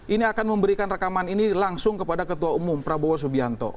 ini akan memberikan rekaman ini langsung kepada ketua umum prabowo subianto